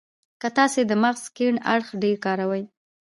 که تاسې د مغز کڼ اړخ ډېر کاروئ.